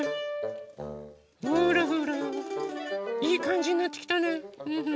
ほらほらいいかんじになってきたね。